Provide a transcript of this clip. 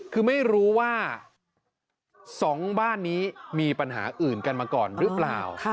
คือไม่รู้ว่า๒บ้านนี้มีปัญหาอื่นกันมาก่อนหรือเปล่า